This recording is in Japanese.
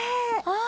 あ。